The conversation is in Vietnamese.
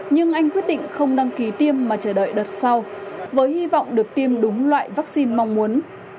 nhưng anh quyết định không đăng ký tiêm mà chờ đợi đợt sau với hy vọng được tiêm đúng loại vaccine mong muốn